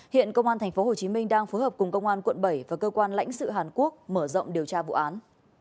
hiện công an tp hcm đang phối hợp cùng công an quận bảy và cơ quan lãnh sự hàn quốc mở rộng điều tra vụ án